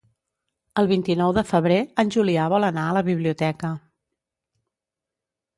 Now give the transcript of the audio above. El vint-i-nou de febrer en Julià vol anar a la biblioteca.